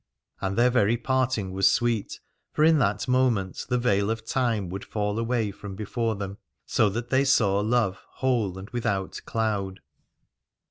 And their very parting was sweet, for in that moment the veil of time would fall away from before them, so that they saw love whole and with out cloud.